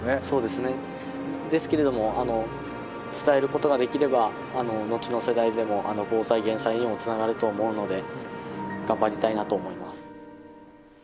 そうですね、ですけれども、伝えることができれば、後の世代でも防災・減災につながると思うので、頑張りたいなと思います。